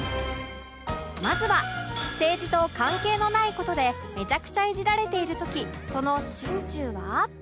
まずは政治と関係のない事でめちゃくちゃいじられている時その心中は？